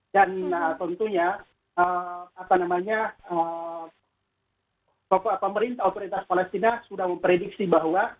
dan tentunya pemerintah otoritas palestina sudah memprediksi bahwa